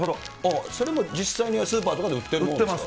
それは実際にスーパーとかで売ってるもの売ってます。